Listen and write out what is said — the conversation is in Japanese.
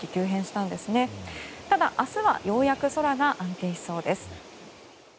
ただ、明日はようやく空が安定しそうです。